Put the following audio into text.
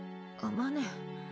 あまね。